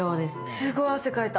すごい汗かいた！